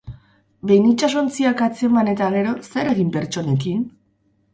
Behin itsasontziak atzeman eta gero, zer egin pertsonekin?